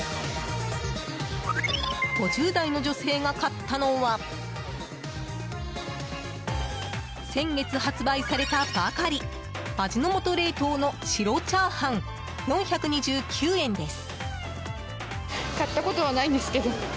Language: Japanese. ５０代の女性が買ったのは先月発売されたばかり味の素冷凍の白チャーハン４２９円です。